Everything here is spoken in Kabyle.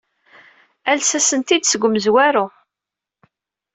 Ales ssenti-d seg umezwaru.